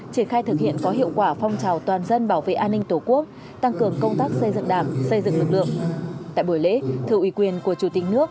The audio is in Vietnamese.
triển khai thực hiện có hiệu quả phong trào toàn dân bảo vệ an ninh tổ quốc tăng cường công tác xây dựng đảng xây dựng lực lượng